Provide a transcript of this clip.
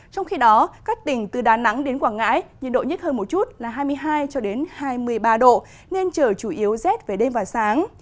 trong khi đó các tỉnh từ đà nẵng đến quảng ngãi nhiệt độ nhất hơn một chút là hai mươi hai hai mươi ba độ nên trời chủ yếu rét về đêm và sáng